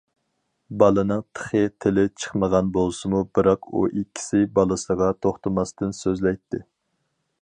بالىنىڭ تېخى تىلى چىقمىغان بولسىمۇ، بىراق ئۇ ئىككىسى بالىسىغا توختىماستىن سۆزلەيتتى.